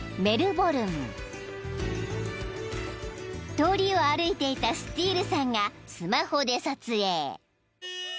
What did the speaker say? ［通りを歩いていたスティールさんがスマホで撮影］